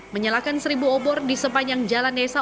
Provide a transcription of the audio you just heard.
menyalakan seribu obor di sepanjang jalan desa